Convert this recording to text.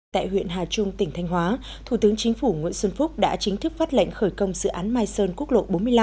tại huyện hà trung tỉnh thanh hóa thủ tướng chính phủ nguyễn xuân phúc đã chính thức phát lệnh khởi công dự án mai sơn quốc lộ bốn mươi năm